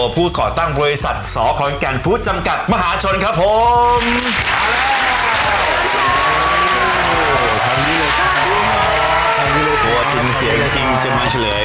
พูดขอตั้งบริษัทสขอนแก่นภูตจำกัดมหาชนครับผม